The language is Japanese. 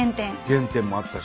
原点もあったし。